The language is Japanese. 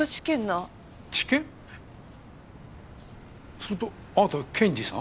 するとあなた検事さん？